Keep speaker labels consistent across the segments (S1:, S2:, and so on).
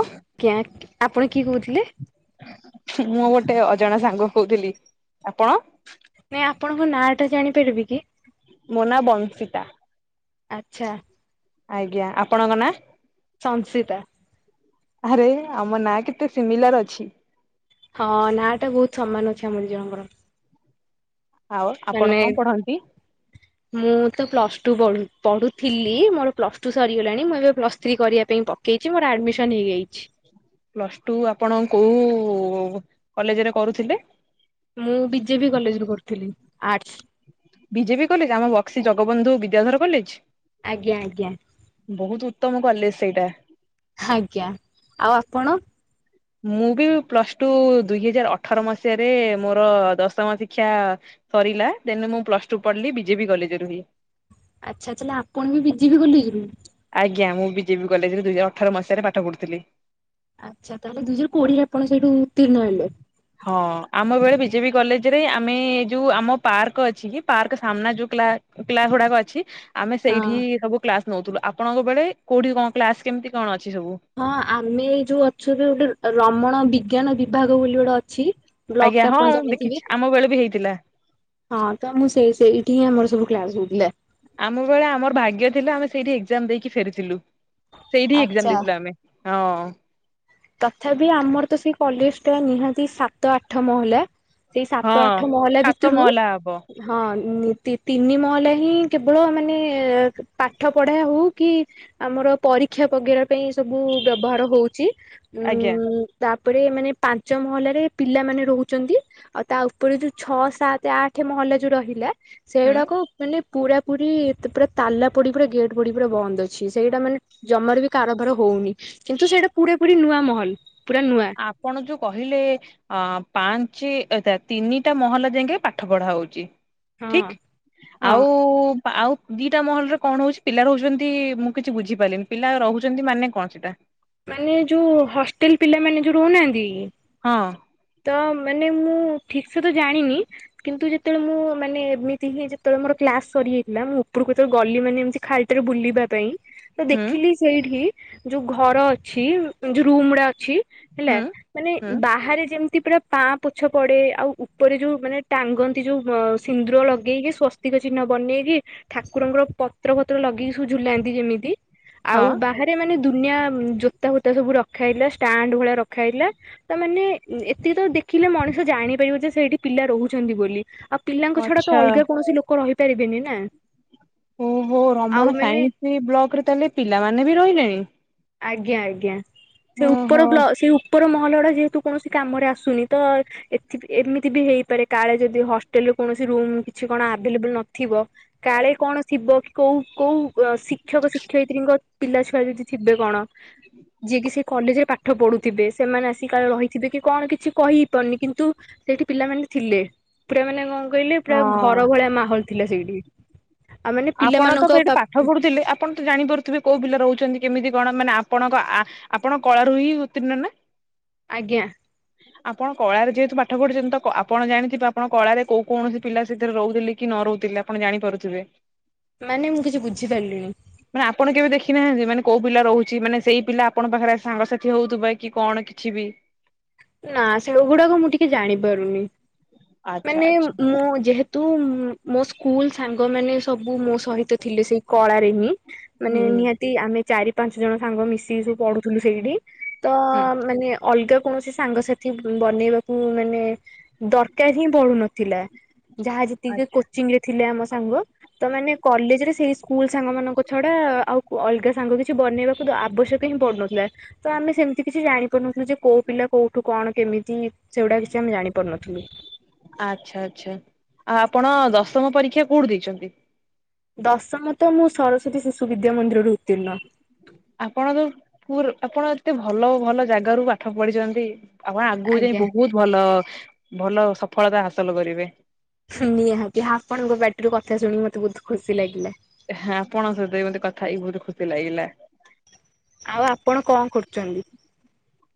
S1: ଆଁ
S2: ଆଜ୍ଞ ଆପଣ କିଏ କହୁଥିଲେ।
S1: ମୁଁ ଗୋଟେ ଅଜାଣା ସାଙ୍ଗ କହୁଥିଲି ଆପଣ
S2: ନାଇଁ ଆପଣଙ୍କ ନାଁ ଟା ଜାଣିପାରିବି କି?
S1: ମୋ ନା ବଂଶୀତା।
S2: ଆଚ୍ଛା।
S1: ଆଜ୍ଞା ଆପଣଙ୍କ ନାଁ
S2: ସଂସିତା।
S1: ଆରେ ଆମ ନାଁ କେତେ ସିମିଲାର ଅଛି।
S2: ହଁ ନାଁଟା ବହୁତୁ ସମାନ ଅଛି ଆମ ଦି ଜଣଙ୍କର।
S1: ଆଉ ଆପଣ କଁ ପଢନ୍ତି।
S2: ମୁଁତ ପ୍ଲସ୍ ଟୁ ପଢୁ ପଢୁଥିଲି ମୋର ପ୍ଲସ୍ ଟୁ ସରିଗଲାଣି ମୁଁ ଏବେ ପ୍ଲସ୍ ଥ୍ରୀ କରିବା ପାଇଁ ପ କେଇଛି ମୋର ଆଡମିସନ ହେଇଯାଇଚି।
S1: ପ୍ଲସ୍ ଟୁ ଆପଣ କୋଉ କଲେଜରେ କରୁଥିଲେ।
S2: ମୁଁ ବିଜେବି କଲେଜରୁ ପଢ଼ୁ, ଆର୍ଟସ୍।
S1: ବିଜେପି କଲେଜ ଆମ ବକ୍ସି ଜଗବନ୍ଧୁ ବିଦ୍ୟାଧର କଲେଜ।
S2: ଆଜ୍ଞା ଆଜ୍ଞା।
S1: ବହୁତୁ ଉତ୍ତମ କଲେଜ ସେଇଟା।
S2: ହାଜ୍ଞା ଆଉ ଆପଣ।
S1: ମୁଁ ବି ପ୍ଲସ ଟୁ ଦୁଇ ହଜାର ଅଠର ମସିହାରେ ମୋର ଦଶମ ଶିକ୍ଷା ସରିଲା ଦେନୁ ମୁଁ ପ୍ଲସ୍ ଟୁ ପଢିଲି ବିଜେପି କଲେଜରୁ ହିଁ
S2: ଆଚ୍ଛା ତାହେଲେ ଆପଣବି ବିଜେବି କଲେଜରୁ
S1: ଆଜ୍ଞା ମୁ ବିଜେପ କଲେଜରେ ଦୁଇ ହଜାର ଅଠର ମସିହାରେ ପାଠ ପଢ଼ୁଥିଲି।
S2: ଆଚ୍ଛା ତାହେଲେ ଦୁଇ ହଜାର କୋଡିଏରେ ଆପଣ ସେଇଠୁ ଉତିର୍ଣ୍ଣ ହେଲେ।
S1: ହଁ ଆମ ବେଳେ ବିଜେବି କଲେଜ ରେ ଆମେ ଯୋଉ ଆମ ପାର୍କ ଅଛିକି ପାର୍କ ସାମ୍ନା ଯୋଉ କ୍ଳା କ୍ଳାସ ଗୁଡାକ ଅଛି ଆମେ
S2: ହଁ
S1: ସେଇଠି ସବୁ କ୍ଲାସ ନଉଥିଲୁ ଆପଣଙ୍କ ବେଳେ କୋଉଠି କଣ କ୍ଲାସ କେମିତି କଣ ଅଛି ସବୁ।
S2: ହଁ ଆମେ ଯୋଉ ଅଛୁ ଗୋଟେ ରମଣ ବିଜ୍ଞାନ ବିଭାଗ ବୋଲି ଗୋଟେ ଅଛି ବ୍ଲକ
S1: ଆଜ୍ଞା
S2: ଟା
S1: ହଁ
S2: ଆପଣ
S1: ମୁ
S2: ଜାଣିଥିବେ
S1: ଦେଖିଛି ଆମ ବେଳ ବି ହେଇଥିଲା।
S2: ହଁ ତ ମୁଁ ସେଇ ସେଇଠି ଆମର ସବୁ କ୍ଲାସ୍ ହୋଇଥିଲା।
S1: ଆମ ବେଳେ ଆମର ଭାଗ୍ୟ ଥିଲା ଆମେ ସେଇଠି ଏକ୍ଜାମ ଦେଇକି ଫେରିଥିଲୁ। ସେଇଠି ଏକ୍ଜାମ
S2: ଆଚ୍ଛା।
S1: ଦେଇଥିଲୁ ଆମେ। ହଁଅଂ।
S2: ତଥାପି ଆମର ତ ସେଇ କଲେଜ ଟା ନିହାତି ସାତ ଆଠ ମହଲା। ସେଇ ସାତ
S1: ହଁ
S2: ଆଠ ମହଲା
S1: ସାତ
S2: ଭିତରୁ
S1: ମହଲା ହବ
S2: ହଁ ନି ତି ତିନି ମହଲା ହିଁ କେବଳ ମାନେ ପାଠ ପଢ଼ା ହଉ କି ଆମର ପରୀକ୍ଷା ବଗେରା ପାଇଁ ସବୁ ବ୍ୟବହାର ହଉଚି।
S1: ଆଜ୍ଞା।
S2: ତାପରେ ମାନେ ପାଞ୍ଚ ମହଲାରେ ପିଲାମାନେ ରହୁଚନ୍ତି। ଆଉ ତା ଉପରେ ଯୋଉ ଛଅ ସାତ ଆଠ ମହଲା ଯୋଉ ରହିଲା
S1: ହୁଁ
S2: ସେଗୁଡାକୁ ମାନେ ପୁରା ପୁରୀ ଏତ ପୁରା ତାଲା ପଡି ପୁରା ଗେଟ୍ ପଡି ପୁରା ବନ୍ଦ ଅଛି ସେଇଟା ମାନେ ଜମାରୁ ବି କାରବାର ହଉନି। କିନ୍ତୁ ସେଇଟା ପୁରା ପୁରୀ ନୂଆ ମହଲ ପୁରା ନୂଆ।
S1: ଆପଣ ଯୋଉ କହିଲେ ଅଂ ପାଞ୍ଚ ଏଇଥା ତିନିଟା ମହଲା ଯାକେ ପାଠ ପଢ଼ା ହଉଚି।
S2: ହଁ
S1: ଠିକ୍
S2: ହଁ
S1: ଆଉ [unintelligible] ଆଉ ଦିଟା ମହଲରେ କଣ ହଉଛି ପିଲା ରହୁଛନ୍ତି ମୁଁ କିଛି ବୁଝିପାରିଲିନି ପିଲା ରହୁଛନ୍ତି ମାନେ କଣ ସେଟା?
S2: ମାନେ ଯୋଉ ହଷ୍ଟେଲ୍ ପିଲାମାନେ ଯୋଉ ରହୁନାହାନ୍ତି କି?
S1: ହଁ।
S2: ତ ମାନେ ମୁଁ ଠିକ୍ ସେ ତ ଜାଣିନି। କିନ୍ତୁ ଯେତେବେଳେ ମୁଁ ମାନେ ଏମିତି ହିଁ ଯେତେବେଳେ କ୍ଲାସ୍ ସରି ଯାଇଥିଲା। ମୁଁ ଉପରକୁ ଯେତେବେଳେ ଗଲି ମାନେ ଏମତି ଖାଲିଟାରେ ବୁଲିବା ପାଇଁ। ତ
S1: ହୁଁ
S2: ଦେଖିଲି ସେଇଠି ଯୋଉ ଘର ଅଛି ଯୋଉ ରୁମ୍ ଗୁଡା ଅଛି।
S1: ହୁଁ
S2: ହେଲା ମାନେ
S1: ହୁଁ
S2: ବାହାରେ ଯେମ ତି ପୁରା ପାଆଁପୋଛ ପଡେ, ଆଉ ଉପରେ ଯୋଉ ମାନେ ଟାଙ୍ଗନ୍ତି ଯୋଉ ଅ, ସିନ୍ଦୁର ଲଗେଇକି ସ୍ବସ୍ ତିକ ଚିହ୍ନ ବନେଇକି ଠାକୁରଙ୍କର ପତ୍ର ଫତ୍ର ଲଗେଇ ସବୁ ଝୁଲାନ୍ତି ଯେମିତି ଆଉ
S1: ହଁ।
S2: ବାହାରେ ସେ ମାନେ ଦୁନିଆ ଉଁ, ଜୋତା ଫୋତା ସବୁ ରଖା ହେଇଲା ଷ୍ଟାଣ୍ଡ ଭଳିଆ ରଖା ହେଇଲା। ତା ମାନେ ଉଁ, ଏ ତିକି ତ ଦେଖିଲେ ମଣିଷ ଜାଣିପାରିବ ଯେ ସେଇଠି ପିଲା ରହୁଛନ୍ତି ବୋଲି। ଆଉ ପିଲାଙ୍କ ଛଡା ତ
S1: ଆଚ୍ଛା
S2: ଅଲଗା କୌଣସି ଲୋ କ ରହିପାରିବେନି ନା।
S1: ଓ ହୋ
S2: ଆଉ
S1: ରମଣ
S2: ମାନେ
S1: ସାଇନ୍ସ ବ୍ଲକ୍ ରେ ତାହେଲେ ପିଲାମାନେ ବି ରହିଲେଣି?
S2: ଆଜ୍ଞା ଆଜ୍ଞା ସେ
S1: ଓହୋ।
S2: ଉପର ବ୍ଲ- ସେ ଉ ପର ମହଲ ଉଡା ଯେହେତୁ କୌଣସି କାମରେ ଆସୁନି ତ ଏଥିବି ଏମିତିବି ହେଇପାରେ କାଳେ ଯଦି ହଷ୍ଟେଲ୍ ରେ କୌଣସି ରୁମ୍ କିଛି କଣ ଆଭେଲେବୁଲ୍ ନଥିବ। କାଳେ କଣ ଥିବ କି କୋଉ କୋଉ ଅ, ଶିକ୍ଷକ ଶିକ୍ଷୟିତ୍ରୀଙ୍କ ପିଲା ଛୁଆ ଯଦି ବେ କଣ? ଯିଏକିି ସେ କଲେଜ୍ ରେ ପାଠ ପଢୁଥିବେ ସେମାନେ ଆସି କାଳଃ ରହିଥିବେକି କଣ କିଛି କହି ହେଇପାରୁନି। କିନ୍ତୁ ସେଇଠି ପିଲାମାନେ ଥିଲେ। ପୁରା ମାନେ କଣ କହିଲେ ପୁରା ଘର
S1: ହଁ।
S2: ଭଳିଆ ମାହୋଲ ଥିଲା ସେଇଠି। ଆଉ ମାନେ
S1: ଆପଣ ତ
S2: ପିଲାମାନଙ୍କ
S1: ସେଇଠି
S2: ପା
S1: ପାଠ ପଢୁଥିଲେ ଆପଣ ତ ଜାଣିପାରୁଥିବେ କୋଉ ପିଲା ରହୁଛନ୍ତି କେମିତି କଣ? ମାନେ ଆପଣଙ୍କ ଆ ଆପଣ କଳାରୁ ହିଁ ଉତ୍ତିର୍ଣ୍ଣ ନା।
S2: ଆଜ୍ଞା।
S1: [unintelligible] ଆପଣ କଳାରେ ଯେହେତୁ ପାଠ ପଢୁଛନ୍ତି ତ କ-ଆପଣ ଜାଣିଥିବେ ଆପଣ କଳାରେ କୋଉ କୌଣସି ପିଲା ସେଥିରେ ରହୁଥିଲେ କି ନ ରହୁଥିଲେ? ଆପଣ ଜାଣିପାରୁଥିବେ?
S2: ମାନେ ମୁଁ କିଛି ବୁଝିପାରିଲିନି।
S1: ମାନେ ଆପଣ କେବେ ଦେଖି ନାହାନ୍ତି ମାନେ କୋଉ ପିଲା ରହୁଛି ମାନେ ସେଇ ପିଲା ଆପଣଙ୍କ ପାଖରେ ସାଙ୍ଗସାଥି ହଉଥିବେ କି କଣ କିଛିବି?
S2: ନା ସେଗୁଡାକ ମୁଁ ଟିକେ ଜାଣିପାରୁନି।
S1: ଆଚ୍ଛା
S2: ମାନେ
S1: ଆଚ୍ଛା
S2: ମୁଁ ଯେହେତୁ ମୁଁ ମୋ ସ୍କୁଲ୍ ସାଙ୍ଗମାନେ ସବୁ ମୋ ସହିତ ଥିଲେ ସେଇ କଳାରେ ହିଁ ମାନେ
S1: ହୁଁ
S2: ନିଆ ତି ଆମେ ଚାରି ପାଞ୍ଚ ଜଣ ସାଙ୍ଗ ମିଶି ସବୁ ପଢୁଥିଲୁ ସେଇଠି ତ
S1: ହୁଁ
S2: ମାନେ ଅଲଗା କୌଣସି ସାଙ୍ଗସାଥି ବନେଇବାକୁ ମାନେ ଦର କା ହିଁ ପଡୁନଥିଲା ଯାହା ଯେତିକି
S1: ଆଚ୍ଛା
S2: କୋଚିଙ୍ଗ ରେ ଥିଲେ ଆମ ସାଙ୍ଗ ତ ମାନେ କଲେଜ୍ ରେ ସେଇ ସ୍କୁଲ୍ ସାଙ୍ଗ ମାନଙ୍କ ଛଡା ଆଉ ଅଲଗା ସାଙ୍ଗ କିଛି ବନେଇବା କିନ୍ତୁ ଆବଶ୍ୟକ ହିଁ ପଡ଼ୁନଥିଲା। ତ ଆମେ ସେମିତି କିଛି ଜାଣିପାରୁନଥିଲୁ ଯେ କୋଉ ପିଲା କୋଉଠୁ କଣ କେମିତି ସେଉଡା କିଛି ଆମେ ଜାଣିପାରୁନଥିଲୁ।
S1: ଆଚ୍ଛା ଆଚ୍ଛା ଆଉ ଆପଣ ଦଶମ ପରୀକ୍ଷା କୋଉଠୁ ଦେଇଛନ୍ତି?
S2: ଦଶମ ତ ମୁଁ ସରସ୍ଵତୀ ଶିଶୁ ବିଦ୍ୟା ମନ୍ଦିରରୁ ଉତ୍ତୀର୍ଣ୍ଣ।
S1: ଆପଣ ଯୋଉ ପୁରୁ ଆପଣ ଏତେ ଭଲ ଭଲ ଜାଗାରୁ ପାଠ ପଢିଛନ୍ତି। ଆପଣ ଆଗକୁ ଯାଇ
S2: ଆଜ୍ଞା
S1: ବହୁତ ଭଲ ଭଲ ସଫଳତା ହାସଲ କରିବେ।
S2: ନିହାତି ଆପଣଙ୍କ ପାଟିରୁ କଥା ଶୁଣିି ମତେ ବହୁତ ଖୁସି ଲାଗିଲା।
S1: ହଁ ଆପଣଙ୍କ ସହିତବି ମତେ କଥା ହେଇକି ବହୁତ ଖୁସି ଲାଗିଲା।
S2: ଆଉ ଆପଣ କଣ କରୁଚନ୍ତି?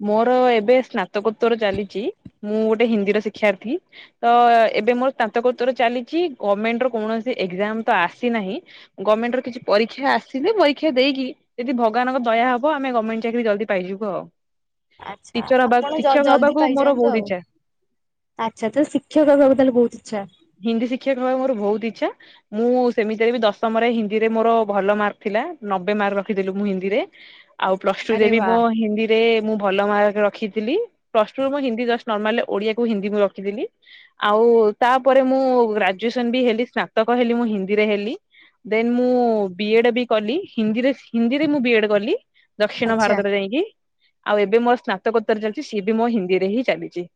S1: ମୋର ଏବେ ସ୍ନାତକୋତ୍ତର ଚାଲିଚି ମୁଁ ଗୋଟେ ହିନ୍ଦୀର ଶିକ୍ଷାର୍ଥୀ ତ ଏବେ ମୋର ଶ୍ନାତକୋତ୍ତର ଚାଲିଛି ଗମେଣ୍ଟର କୌଣସି ଏକ୍ଜାମତ ଆସିନାହିଁ। ଗମେଣ୍ଟର କିଛି ପରୀକ୍ଷା ଆସିଲେ ପରୀକ୍ଷା ଦେଇକି ଯଦି ଭଗାନଙ୍କ ଦୟା ହବ ଆମେ ଗମେଣ୍ଟ ଚାକିରି ଜଲଦି ପାଇଯିବୁ ଆଉ।
S2: ଆଛା
S1: ଟିଚର ହବା
S2: ଆପଣ ଜଲ
S1: ଶିକ୍ଷକ
S2: ଜଲଦି
S1: ହବାକୁ ମୋର
S2: ପାଇଯାଆନ୍ତୁ
S1: ବହୁତ
S2: ଆଉ।
S1: ଇଚ୍ଛା।
S2: ଆଛା ତ ଶିକ୍ଷକ ହେବାକୁ ତାହାଲେ ଭୋଉତ ଇଛା?
S1: ହିନ୍ଦୀ ଶିକ୍ଷକ ହବାକୁ ମୋର ଭୋଉତ ଇଛା। ମୁଁ ସେମିତିରେବି ଦଶମରେ ହିନ୍ଦୀରେ ମୋର ଭଲ ମାର୍କଥିଲା। ନବେ ମାର୍କ ରଖିଥିଲି ମୁଁ ହିନ୍ଦୀରେ। ଆଉ ପ୍ଲସ
S2: ଆରେ
S1: ଟୁରେବି
S2: ବା
S1: ମୁଁ ହିନ୍ଦୀରେ ମୁଁ ଭଲ ମାର୍କ ରଖିଥିଲି। ପ୍ଲସ ଟୁୁ ରେ ମୁଁ ହିନ୍ଦୀ ନର୍ମାଲି ଓଡିଆକୁ ହିନ୍ଦୀ ମୁଁ ରଖିଥିଲି। ଆଉ ତାପରେ ମୁଁ ଗ୍ରାଜୁଏସନ ବି ହେଲି ସ୍ନାତକ ହେଲି ମୁଁ ହିନ୍ଦୀରେ ହେଲି। ଦେନ ମୁଁ ବି ଏଡେ ବି କଲି ହିନ୍ଦୀରେ ହିନ୍ଦୀରେ ମୁଁ ବି ଏଡେ କଲି। ଦକ୍ଷିଣ
S2: ଆଚ୍ଛା
S1: ଭାରତରେ ଯାଇକି। ଆଉ ଏବେ ମୋର ସ୍ନାତକୋତ୍ତର ଚାଲିଚି ସିଏ ବି ମୋ ହିନ୍ଦୀରେ ହିଁ ଚାଲିଚି।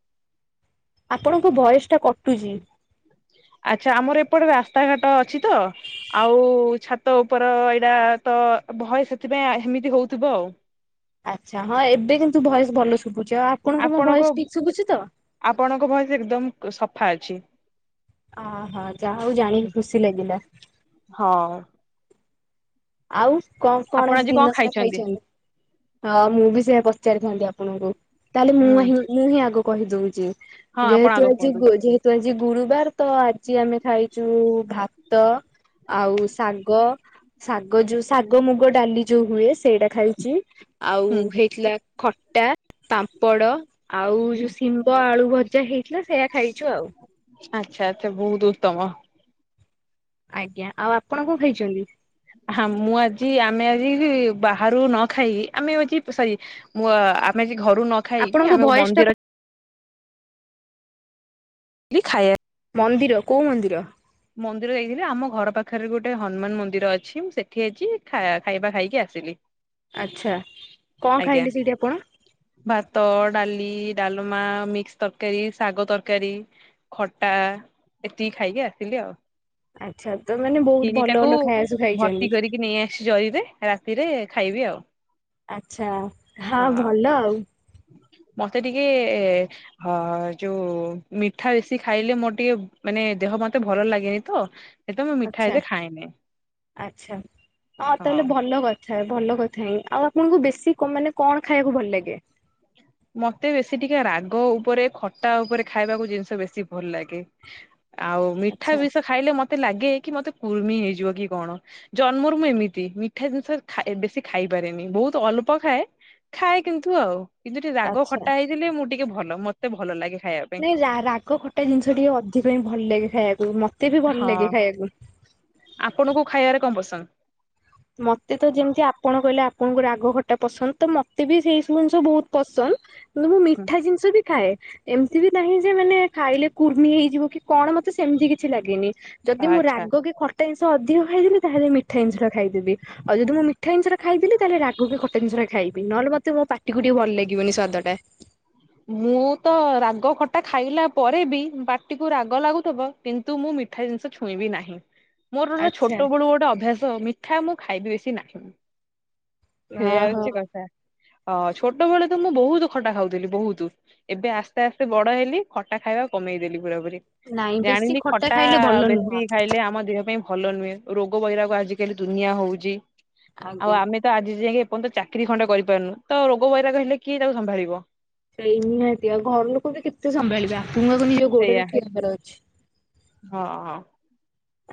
S2: ଆପଣଙ୍କ ଭୟସ ଟା କଟୁଚି।
S1: ଆଛା ଆମର ଏପଟେ ରାସ୍ତାଘାଟ ଅଛିତ ଆଉ ଛାତ ଉପର ଏଇଟାତ ଭୟସ ସେଥିପାଇଁ ହେମିତି ହଉଥିବ ଆଉ
S2: ଆଛା ହଁ ଏବେ କିନ୍ତୁ ଭଏସ ଭଲ ଶୁଭୁଚି। ଆଉ ଆପଣଙ୍କୁ ମୋ
S1: ଆପଣଙ୍କ
S2: ଭୟସ ଠିକ ଶୁଭୁଚି ତ?
S1: ଆପଣଙ୍କ ଭଇସ ଏକଦମ ସଫା ଅଛି।
S2: ଅ ହ ଯାହା ହଉ ଜାଣିକି ଖୁସି ଲାଗିଲା।
S1: ହଁ।
S2: ଆଉ କଣ କଣ ଆଜି ଦିନସାରା ଖାଇଚନ୍ତି? ହଁ ମୁଁ ବି ସେଆ ପଚାରିଥାନ୍ତି ଆପଣଙ୍କୁ? ତାହେଲେ
S1: ହୁଁ
S2: ମୁଁ ହିଁ ମୁଁ ହିଁ ଆଗ କହି ଦଉଚି
S1: ହଁ ଆପଣ ଆଗ
S2: ଯେହେତୁ ଆଜି
S1: କୁହନ୍ତୁ।
S2: ଗୋ ଯେହେ ତୁ ଆଜି ଗୁରୁବାର ତ ଆଜି ଆମେ ଖାଇଚୁ ଭାତ ଆଉ ଶାଗ। ଶାଗ ଯୋଉ ଶାଗ ମୁଗ ଡାଲି ଯୋଉ ହୁଏ ସେଇଟା ଖାଇଚି ଆଉ
S1: ହୁଁ
S2: ହେଇଥିଲା ଖଟା ପାମ୍ପଡ ଆଉ ଯୋଉ ସି ମ୍ବ ଆଳୁ ଭଜା ହେଇଥିଲା ସେଇଆ ଖାଇଚୁ ଆଉ।
S1: ଆଛା ଏତେ ବହୁତ ଉତ୍ତମ।
S2: ଆଜ୍ଞା ଆଉ ଆପଣ କଣ ଖାଇଚନ୍ତି?
S1: ହଁ ମୁଁ ଆଜି ଆମେ ଆଜି ବାହାରୁ ନ ଖାଇକି ଆମେ ଆଜି ସରି ମୁଁ ଆମେ ଆଜି ଘରୁ ନ ଖାଇକି
S2: ଆପଣଙ୍କ
S1: ଆମେ
S2: ଭଏସ ଟା
S1: ମନ୍ଦିର ଲି ଖାଇଆ
S2: ମନ୍ଦିର କୋଉ ମନ୍ଦିର?
S1: ମନ୍ଦିର ଯାଇଥିଲି। ଆମ ଘର ପାଖରେ ଗୋଟେ ହନୁମାନ ମନ୍ଦିର ଅଛି ମୁଁ ସେଠି ଆଜି ଖାଇବା ଖାଇକି ଆସିଲି।
S2: ଆଚ୍ଛା। କଣ
S1: ଆଜ୍ଞା
S2: ଖାଇଲେ ସେଇଠି ଆପଣ?
S1: ଭାତ ଡାଲି ଡାଲମା ମିକ୍ସ ତରକାରୀ ଶାଗ ତରକାରୀ। ଖଟା ଏତିକି ଖାଇକି ଆସିଲି ଆଉ।
S2: ଆଚଛା ତ ମାନେ ବହୁତ
S1: ଖିରି
S2: ଭଲ
S1: ଟାକୁ
S2: ଭଲ ଖାଇବା ସବୁ
S1: ଭର୍ତ୍ତି
S2: ଖାଇଚନ୍ତି।
S1: [unintelligible] ରାତିରେ ଖାଇବି ଆଉ।
S2: ଆଛା ଖା
S1: ହଁ
S2: ଭଲ ଆଉ।
S1: ମତେ ଟିକେ ହଁ ଯୋଉ ମିଠା ବେଶି ଖାଇଲେ ମୋର ଟିକେ ମାନେ ଦେହ ମତେ ଭଲ ଲାଗେନି ତ ସେଥିପାଇଁ ମୁଁ ମିଠା
S2: ଆଛା
S1: ଏତେ ଖାଏନି।
S2: ଆଛା ହଁ
S1: ହଁ
S2: ତାହେଲେ ଭଲ କଥ ଥା ଭଲ କଥା ହିଁ ଆଉ ଆପଣଙ୍କୁ ବେଶୀ ମାନେ କଣ ଖାଇବାକୁ ଭଲ ଲାଗେ?
S1: ମତେ ବେଶୀ ଟିକେ ରାଗ ଉପରେ ଖଟା ଉପରେ ଖାଇବାକୁ ଜିନିଷ ବେଶୀ ଭଲ ଲାଗେ। ଆଉ ମିଠା
S2: ଆଚ୍ଛା
S1: ବି ସହ ଖାଇଲେ ମତେ ଲାଗେ କି ମତେ କୁର୍ମି ହେଇଯିବ କି କଣ। ଜନ୍ମରୁ ମୁଁ ଏମିତି ମିଠା ଜିନିଷ ଖା ବେଶୀ ଖାଇପାରେନି ବହୁତ ଅଳ୍ପ ଖାଏ। ଖାଏ କିନ୍ତୁ ଆଉ। କିନ୍ତୁ ଟିକେ ରାଗ
S2: ଆଚ୍ଛା
S1: ଖଟା ହେଇଥିଲେ ମୁଁ ଟିକେ ଭଲ ମତେ ଭଲ ଲାଗେ ଖାଇବାକୁ।
S2: ନାଇଁ ରା ରାଗ ଖଟା ଜିନିଷ ଟିକେ ଅଧିକ ହିଁ ଭଲ ଲାଗେ ଖାଇବାକୁ ମତେ ବି ଭଲ
S1: ହଁ
S2: ଲାଗେ ଖାଇବାକୁ।
S1: ଆପଣଙ୍କୁ ଖାଇବାରେ କଣ ପସନ୍ଦ?
S2: ମତେ ତ ଯେମିତି ଆପଣ କହିଲେ ଆପଣଙ୍କୁ ରାଗ ଖଟା ପସନ୍ଦ ତ ମତେ ବି ସେଇ ସବୁ ଜିନିଷ ବହୁତ ପସନ୍ଦ। ମୁଁ ମିଠା ଜିନିଷ ବି ଖାଏ। ଏମିତି ବି ନାହିଁ ଯେ ମାନେ ଖାଇଲେ କୁର୍ମି ହେଇଯିବ କି କଣ ମତେ ସେମିତି କିଛି ଲାଗେନି। ଯଦି ମୁଁ
S1: ଆଚ୍ଛା।
S2: ରାଗ କି ଖଟା ଜିନିଷ ଅଧିକ ଖାଇଦେବି ତାହେଲେ ମିଠା ଜିନିଷଟା ଖାଇଦେବି। ଆଉ ଯଦି ମୁଁ ମିଠା ଜିନିଷଟା ଖାଇଦେଲି ତାହେଲେ ରାଗ କି ଖଟା ଜିନିଷଟା ଖାଇବି ନହେଲେ ମତେ ମୋ ପାଟିକୁ ଟିକେ ଭଲ ଲାଗିବନି ସ୍ୱାଦଟା।
S1: ମୁଁ ତ ରାଗ ଖଟା ଖାଇଲା ପରେ ବି ପାଟିକୁ ରାଗ ଲାଗୁଥିବ କିନ୍ତୁ ମୁଁ ମିଠା ଜିନିଷ ଛୁଇଁବି ନାହିଁ। ମୋର ଏରା
S2: ଆଚ୍ଛା,
S1: ଛୋଟବେଳୁ ଗୋଟେ ଅଭ୍ୟାସ। ମିଠା ମୁଁ ଖାଇବି ବେଶି ନାହିଁ। ସେଇଆ
S2: ଓହୋ
S1: ହଉଛି କଥା ଅ ଛୋଟ ବେଳେ ତ ମୁଁ ବହୁତ ଖଟା ଖାଉଥିଲି ବହୁତ। ତୁ ଏବେ ଆସ୍ତେ ଆସ୍ତେ ବଡ ହେଲି ଖଟା ଖାଇବା କମେଇଦେଲି ପୁରାପୁରୀ।
S2: ନାଇଁ ବେଶୀ
S1: ଜାଣିଲି ଖଟା
S2: ଖାଇଲେ ଭଲ ନୁହଁ।
S1: ବେଶୀ ଖାଇଲେ ଆମ ଦେହ ପାଇଁ ଭଲ ନୁହେଁ। ରୋଗ ବଇରାଗ ଆଜିିକାଲି ଦୁନିଆ ହୋଉଛି। ଆଉ
S2: ଆଜ୍ଞା।
S1: ଆମେ ତ ଆଜିଜାଙ୍କେ ଏପର୍ଯ୍ୟନ୍ତ ଚାକିରି ଖଣ୍ଡେ କରିପାରୁନୁ ତ ରୋଗ ବୈରାଗ ହେଲେ କିଏ ତାକୁ ସମ୍ଭାଳିବ।
S2: ସେଇ ନିହାତି ଆଉ ଘର ଲୋକ ବି କେତେ ସମ୍ଭାଳିବା। ତୁମକୁ ନିଜ ଗୋଡ଼ରେ
S1: ସେଇଆ
S2: ଠିଆହବାର ଅଛି।
S1: ହଁ ହଁ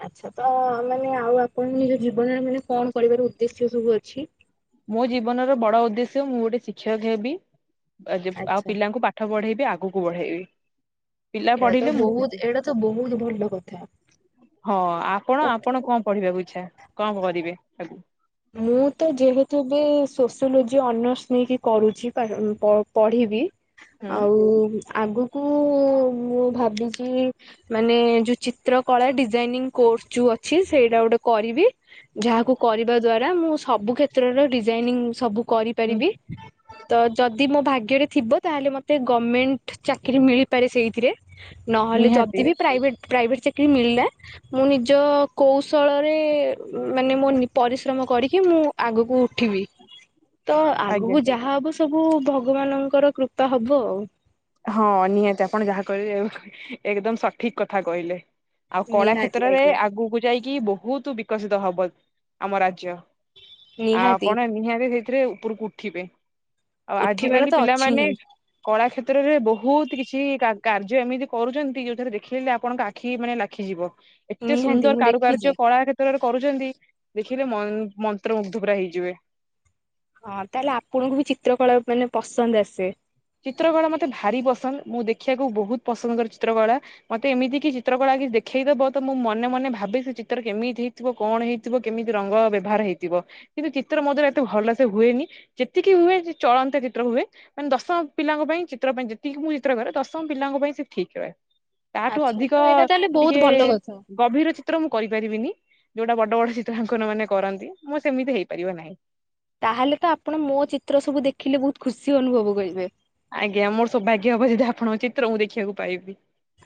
S2: ଆଚ୍ଛା ତ ମାନେ ଆଉ ଆପଣ ନିଜ ଜୀବନରେ ମାନେ କଣ କରିବାର ଉଦ୍ଦେଶ୍ୟ ସବୁ ଅଛି?
S1: ମୋ ଜୀବନର ବଡ ଉଦ୍ଦେଶ୍ୟ ମୁଁ ଗୋଟେ ଶିକ୍ଷକ ହେବି। ଆ ଯେ ଆଉ
S2: ଆଚ୍ଛା
S1: ପିଲାଙ୍କୁ ପାଠ ପାଠ ବଢ଼େଇବି ଆଗକୁ ବଢ଼େଇବି।
S2: ଏଇଟା ତ ବୋହୁତ ଏଇଟା ତ ବୋହୁତ ଭଲ କଥା।
S1: ହଁ ଆପଣ
S2: ତଥା
S1: ଆପଣ କଣ ପଢିବାକୁ ଇଚ୍ଛା କଣ କରିବେ ଆଗକୁ?
S2: ମୁଁ ତ ଯେହେତୁ ବି ସୋସିଓଲୋଜି ଅନର୍ସ ନେଇକି କରୁଛି ପା ପ ପଢ଼ିବି। ଆଉ ଆଗକୁ ମୁଁ ଭାବିଚି ମାନେ ଯୋଉ ଚିତ୍ର କଳା ଡିଜାଇନିଂ କୋର୍ସ ଯୋଉ ଅଛି ସେଇଟା ଗୋଟେ କରିବି। ଯାହାକୁ କରିବା ଦ୍ଵାରା ମୁଁ ସବୁ କ୍ଷେତ୍ରର ଡିଜାଇନିଂ ସବୁ
S1: ହୁଁ
S2: କରିପାରିବି। ତ ଯଦି ମୋ ଭାଗ୍ୟରେ ଥିବ ତାହେଲେ ମତେ ଗମେଣ୍ଟ ଚାକିରୀ ମିଳିପାରେ ସେଇଥିରେ। ନହେଲେ ଯଦି
S1: ନିହାତି
S2: ବି ପ୍ରାଇଭେଟ ପ୍ରାଇଭେଟ ଚାକିରୀ ମିଳିଲା ମୁଁ ନିଜ କୌଶଳରେ ମାନେ ମୋ ନି ପରିଶ୍ରମ କରିକି ମୁଁ ଆଗକୁ ଉଠିବି। ତ
S1: ଆଜ୍ଞା
S2: ଆଗକୁ ଯାହା ହବ ସବୁ ଭଗବାନଙ୍କର କୃପା ହବ ଆଉ।
S1: ହଁ ନିହାତି ଆପଣ ଯାହା କହିଲେ ଏକଦମ ସଠିକ କଥା କହିଲେ। ଆଉ କଳା
S2: ନିହାତି
S1: କ୍ଷେତ୍ରରେ
S2: ଆଜ୍ଞା।
S1: ଆଗକୁ ଯାଇକି ବୋହୁତ ବିକଶିତ ହବ ଆମ ରାଜ୍ୟ ଆ
S2: ନିହାତି
S1: ଆପଣ ନିହାତି ସେ ଥିରେ ଉପରକୁ ଉଠିବେ। ଆଉ
S2: ଉଠିବାର
S1: ଆଜିକାଲି
S2: ତ ଅଛି
S1: ପିଲାମାନେ
S2: ହିଁ
S1: କଳା କ୍ଷେତ କ୍ଷେତ୍ରରେ ବୋହୁତ କିଛି କା କାର୍ଯ୍ୟ ଏମିତି କରୁଚନ୍ତି ଯୋଉଥିରେ ଦେଖିଦେଲେ ଆପଣଙ୍କ ଆଖି ମାନେ ଲାଖିଯିବ। ଏତେ
S2: ନିହାତି
S1: ସୁନ୍ଦର
S2: ମୁଁ ଦେଖିଛି।
S1: କାରୁକାର୍ଯ୍ୟ କଳା କ୍ଷେତ୍ରରେ କରୁଚନ୍ତି ଦେଖିଲେ ମ ମନ୍ତ୍ର ମୁଗ୍ଧ ପୁରା ହେଇଯିବେ।
S2: ହଁ ତାହେଲେ ଆପଣଙ୍କୁ ବି ଚିତ୍ର କଳା ମାନେ ପସନ୍ଦ ଆସେ।
S1: ଚିତ୍ରକଳା ମତେ ଭାରି ପସନ୍ଦ ମୁଁ ଦେଖିବାକୁ ବୋହୁତ୍ ପସନ୍ଦ କରେ ଚିତ୍ରକଳା। ମତେ ଏମିତି କି ଚିତ୍ର କଳା କିଛି ଦେଖେଇଦବ ତ ମୁଁ ମନେ ମନେ ଭାଵେ ସେ ଚିତ୍ର କେମିତି ହେ ଥିବ କଣ ହେଇଥିବ କେମିତି ରଙ୍ଗ ବ୍ୟବହାର ହେଇଥିବ। କିନ୍ତୁ ଚିତ୍ର ମୋ ଦ୍ଵାରା ଏତେ ଭଲ ସେ ହୁଏନି ଯେତିକି ହୁଏ ଚଳନ୍ତା ଚିତ୍ର ହୁଏ ମାନେ ଦଶ ପିଲାଙ୍କ ପାଇଁ ଚିତ୍ର ପାଇଁ ଯେତିକି ମୁଁ ଚିତ୍ର କରେ ଦଶମ ପିଲାଙ୍କ ପାଇଁ ସେ ଠିକ୍ ରହେ। ତାଠୁ
S2: ଆଚ୍ଛା
S1: ଅଧିକ
S2: ତ ଏଇଟା ତାହେଲେ ବହୁତ
S1: ଟିକେ
S2: ଭଲ କଥା।
S1: ଗଭୀର ଚି ଚିତ୍ର ମୁଁ କରିପାରିବିନି ଯୋଉଟା ବଡ ବଡ ଚିତ୍ରାଙ୍କନ ମାନେ କରନ୍ତି ମୁଁ ସେମିତି ହେଇପାରିବ ନାହିଁ।
S2: ତାହେଲେ ତ ଆପଣ ମୋ ଚିତ୍ର ସବୁ ଦେଖିଲେ ବୋହୁତ୍ ଖୁସି ଅନୁଭବ କରିବେ।
S1: ଆଜ୍ଞା ମୋର ସୌଭାଗ୍ୟ ହବ ଯଦି ଆପଣଙ୍କ ଚିତ୍ର ମୁଁ ଦେଖିବାକୁ ପାଇବି।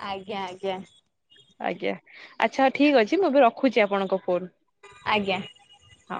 S2: ଆଜ୍ଞା ଆଜ୍ଞା।
S1: ଆଜ୍ଞା ଆଚ୍ଛା ଠିକେ ଅଛି ମୁଁ ଏବେ ରଖୁଛି ଆପଣଙ୍କ ଫୋନ୍।
S2: ଆଜ୍ଞା।
S1: ହଁ।